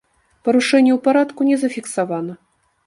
Парушэнняў парадку не зафіксавана.